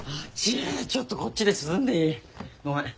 ちょっとこっちで涼んでいい？ごめん。